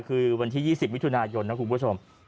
คือวันที่๒๐มิถุนายนนะคุณผู้ชม